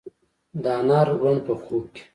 د انارو بڼ په خوب کې